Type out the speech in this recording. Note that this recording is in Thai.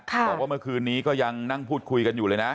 บอกว่าเมื่อคืนนี้ก็ยังนั่งพูดคุยกันอยู่เลยนะ